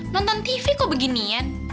nonton tv kok beginian